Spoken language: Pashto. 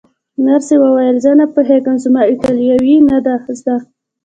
نرسې وویل: زه نه پوهېږم، زما ایټالوي نه ده زده.